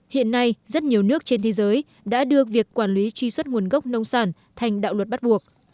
hiện nay rất nhiều nước trên thế giới đã đưa việc quản lý truy xuất nguồn gốc nông sản thành đạo luật bắt buộc